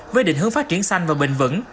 với định hướng phát triển xanh và bình vẩn